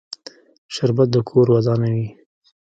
شربت د کور ودانوي